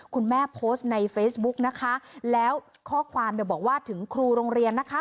โพสต์ในเฟซบุ๊กนะคะแล้วข้อความเนี่ยบอกว่าถึงครูโรงเรียนนะคะ